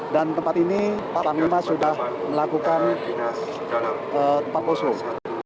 dan tempat ini pak panglima sudah melakukan tempat kosong